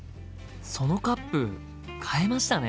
そのカップ変えましたね？